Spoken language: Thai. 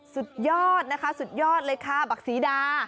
สุดยอดนะคะสุดยอดเลยค่ะบักศรีดา